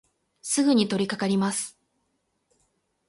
すぐにとりかかります。